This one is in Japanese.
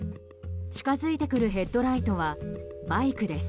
近づいてくるヘッドライトはバイクです。